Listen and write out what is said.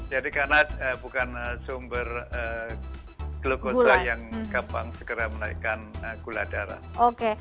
jadi karena bukan sumber glukosa yang gampang segera menaikkan gula darah